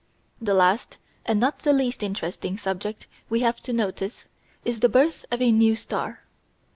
The last, and not the least interesting, subject we have to notice is the birth of a "new star."